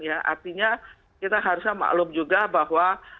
artinya kita harusnya maklum juga bahwa